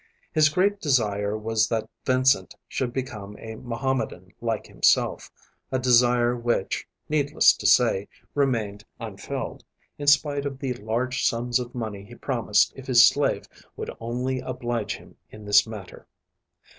His great desire was that Vincent should become a Mohammedan like himself, a desire which, needless to say, remained unfulfilled, in spite of the large sums of money he promised if his slave would only oblige him in this matter.